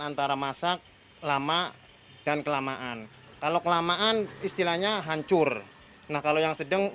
antara masak lama dan kelamaan kalau kelamaan istilahnya hancur nah kalau yang sedang